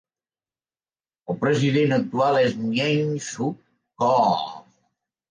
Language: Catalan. El president actual és Myeung-sook Koh.